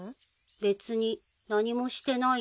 別に何もしてないよ。